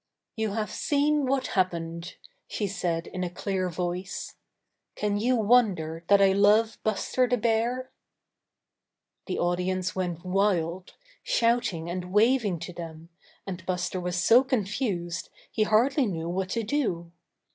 "You have seen what happened,'' she said in a clear voice. "Can you wonder that I love Buster the Bear?'^ The audience went wild, shouting and wav ing to them, and Buster was so confused he hardly knew what to do.